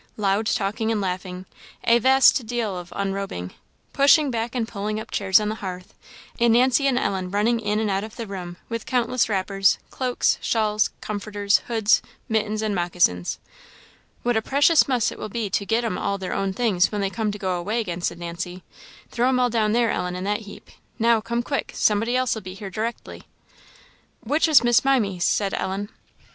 Loud talking and laughing a vast deal of unrobing pushing back and pulling up chairs on the hearth and Nancy and Ellen running in and out of the room with countless wrappers, cloaks, shawls, comforters, hoods, mittens, and moccasins. "What a precious muss it will be to get 'em all their own things when they come to go away again," said Nancy. "Throw 'em all down there, Ellen, in that heap. Now, come quick somebody else'll be here directly." "Which is Miss Mimy?" said Ellen.